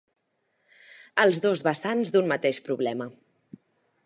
Els dos vessants d'un mateix problema.